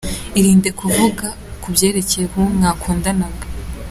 Irinde kuvuga ku byerekeye uwo mwakundanaga.